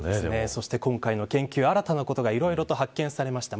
そして今回の研究、新たなことがいろいろ発見されました。